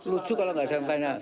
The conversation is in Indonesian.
lucu kalau nggak ada yang tanya